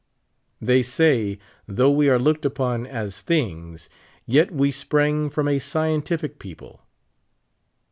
They say, though we are looked upon as things, yet we s})rang from a scientific people.